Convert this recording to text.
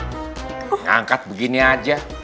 boleh ngangkat begini aja